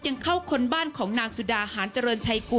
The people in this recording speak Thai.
ยังเข้าคนบ้านของนางสุดา